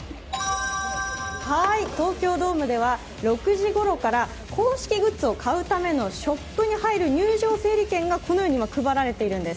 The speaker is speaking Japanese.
東京ドームでは６時ごろから公式グッズを買うためのショップに入る入場整理券がこのように配られているんです。